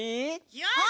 よし！